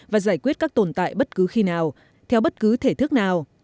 và giải quyết các tồn tại bất cứ khi nào theo bất cứ thể thức nào